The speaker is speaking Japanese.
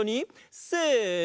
せの！